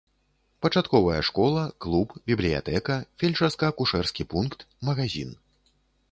Пачатковая школа, клуб, бібліятэка, фельчарска акушэрскі пункт, магазін.